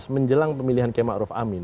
menjelang pemilihan kema aruf amin